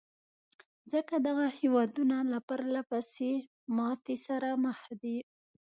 ځکه دغه هېوادونه له پرلهپسې ماتې سره مخ دي.